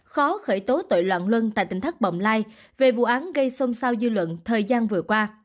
khó khởi tố tội loạn luân tại tỉnh thất bồng lai về vụ án gây xôn xao dư luận thời gian vừa qua